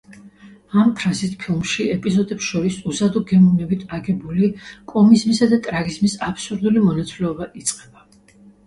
ამ ფრაზით ფილმში ეპიზოდებს შორის უზადო გემოვნებით აგებული კომიზმისა და ტრაგიზმის აბსურდული მონაცვლეობა იწყება.